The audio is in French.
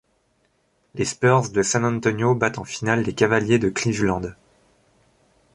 Les Spurs de San Antonio battent en finale les Cavaliers de Cleveland.